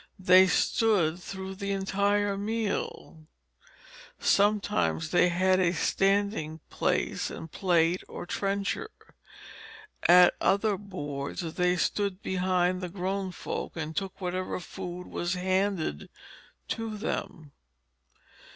They stood through the entire meal. Sometimes they had a standing place and plate or trencher; at other boards they stood behind the grown folk and took whatever food was handed to them.